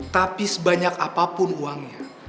tapi sebanyak apapun uangnya